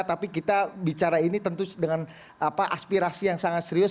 tapi kita bicara ini tentu dengan aspirasi yang sangat serius